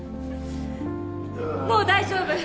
もう大丈夫！